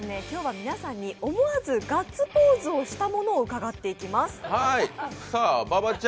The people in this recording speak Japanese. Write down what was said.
今日は皆さんに思わずガッツポーズしたものを伺っていきます。